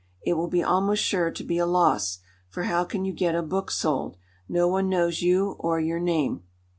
It will be almost sure to be a loss, for how can you get a book sold? No one knows you or your name."